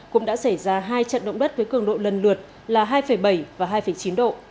cũng đã xảy ra hai trận động đất với cường độ lần lượt là hai bảy và hai chín độ